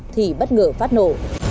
thì bất ngờ phát nổ